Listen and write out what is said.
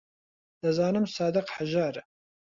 دەزانم سادق هەژارە.